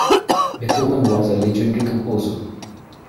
Beethoven was a legendary composer.